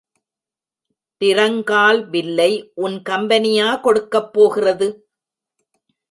டிரங்கால் பில்லை உன் கம்பெனியா கொடுக்கப் போகிறது.